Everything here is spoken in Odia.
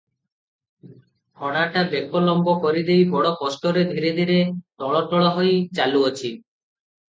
ଘୋଡ଼ାଟା ବେକ ଲମ୍ବ କରିଦେଇ ବଡ଼ କଷ୍ଟରେ ଧୀରେ ଧୀରେ ଟଳଟଳହୋଇ ଚାଲୁଅଛି ।